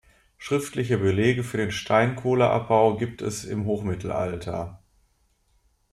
Schriftliche Belege für den Steinkohleabbau gibt es im Hochmittelalter.